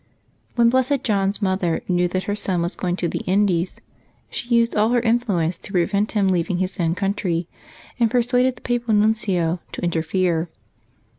When Blessed John's mother knew that her son was going to the Indies, she used all her influence to prevent him leaving his own country, and persuaded the Papal Nuncio to interfere.